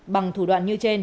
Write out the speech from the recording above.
bằng thủ đoạn như trên